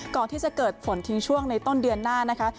ก่อนที่จะเกิดฝนทิ้งช่วงในต้นเดือนหน้านะคะ